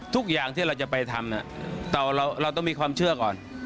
ทุกอย่างที่เราจะไปทำเราต้องมีความเชื่อก่อน